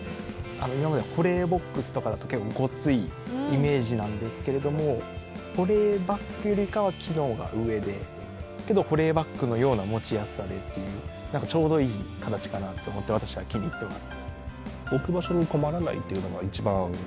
今まで、保冷ボックスとかだと結構ごついイメージなんですが保冷バッグよりかは機能が上でけど、保冷バッグのような持ちやすさでというちょうどいい形かなと思って私は気に入っています。